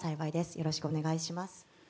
よろしくお願いします。